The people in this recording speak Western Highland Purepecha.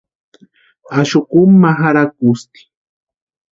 Axu kúmu ma jarhakusti.